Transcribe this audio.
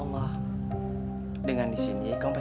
oh kesana yang ada ben